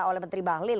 oleh menteri bahlil